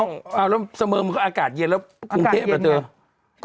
เถิดเอาแล้วเสมออากาศเย็นแล้วกรุงเทพย์ละเจ้า